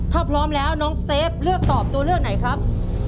ถ้าพร้อมแล้วน้องเซฟเลือกตอบตัวเลือกไหนครับ